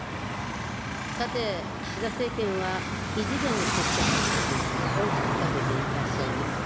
さて、岸田政権は異次元の少子化対策を掲げていらっしゃいます。